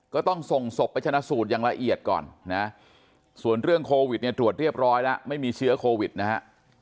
ก็ต้องส่งศพไปชนะสูตรอย่างละเอียดก่อนนะส่วนเรื่องโควิดเนี่ยตรวจเรียบร้อยแล้วไม่มีเชื้อโควิดนะฮะ